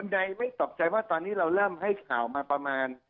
ใดไม่ตกใจว่าตอนนี้เราเริ่มให้ข่าวมาประมาณ